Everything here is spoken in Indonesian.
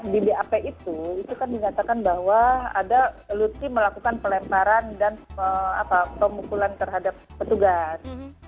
di bap itu itu kan dinyatakan bahwa ada lutfi melakukan pelemparan dan pemukulan terhadap petugas